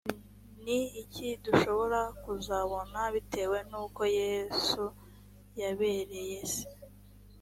ni iki dushobora kuzabona bitewe n uko yesu yabereye se